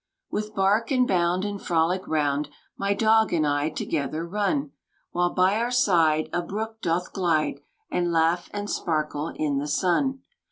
With bark and bound and frolic round My dog and I together run; While by our side a brook doth glide, And laugh and sparkle in the sun.